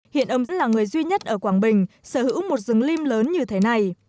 hiện ông vẫn là người duy nhất ở quảng bình sở hữu một rừng lim lớn như thế này